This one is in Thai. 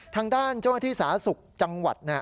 ทางด้านเจ้าหน้าที่สาธารณสุขจังหวัด